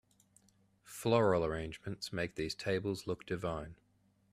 Floral arrangements make these tables look divine.